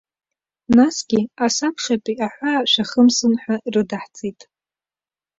Насгьы, асабшатәи аҳәаа шәахымсын ҳәа рыдаҳҵеит.